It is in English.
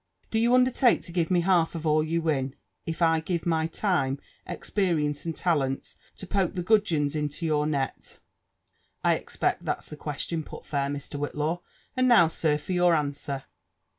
Do you undertake to give me half of all you win, if I give iny'time, ex perience, and talents, to poke the gudgeons into* your net? I expect tikat's the question put fair, Mr. Wbttlaw : and now, sir. Sot your answer."